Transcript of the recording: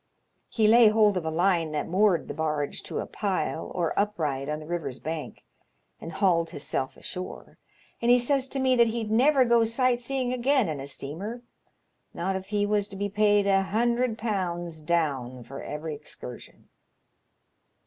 149 He lay hold of a line that moored the barge to a pile or upright on the river's bank, and hauled hisself ashore, and he says to me that he'd never go sight seeing again in a steamer, not if he \ras to be paid £100 down for every excursion.